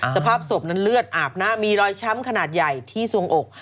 สภาพศพนั้นเลือดอาบหน้ามีรอยช้ำขนาดใหญ่ที่สวงอก